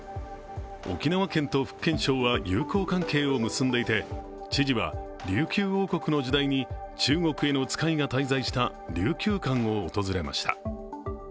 沖縄県と福建省は友好関係を結んでいて、知事は琉球王国の時代に中国への使いが滞在した琉球館を訪れました。